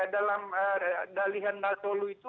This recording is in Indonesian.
dalam dalihan natolu itu